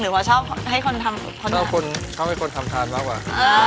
หรือเพราะชอบให้คนทำชอบให้คนทำทานมากกว่า